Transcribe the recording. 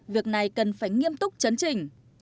việc này cần phải nghiêm túc chấn trình